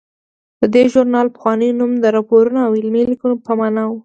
د دې ژورنال پخوانی نوم د راپورونو او علمي لیکنو په مانا و.